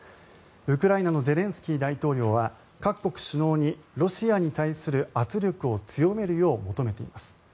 ウクライナのゼレンスキー大統領は各国首脳にロシアに対する圧力を強めるよう求めています。